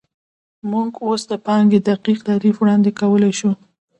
موږ اوس د پانګې دقیق تعریف وړاندې کولی شو